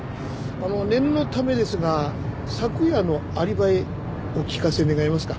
念のためですが昨夜のアリバイお聞かせ願えますか？